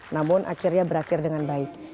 namun akhirnya berakhir dengan baik